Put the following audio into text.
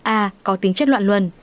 a có tính chất loạn luân